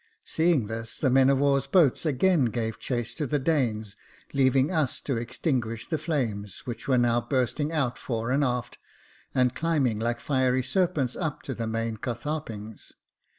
Seeing this, the men of war's boats again gave chase to the Danes, leaving us to extinguish the flames, which were now bursting out fore and aft, and climbing like fiery serpents up to the main catharpings.